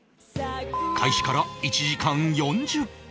開始から１時間４０分